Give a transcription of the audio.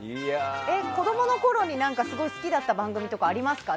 子供のころに好きだった番組とかありますか？